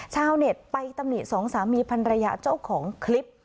ชาวเน็ตไปตำหนิสองสามีพันรยาเจ้าของคลิป